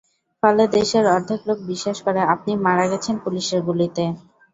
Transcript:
ফলে দেশের অর্ধেক লোক বিশ্বাস করে, আপনি মারা গেছেন পুলিশের গুলিতে।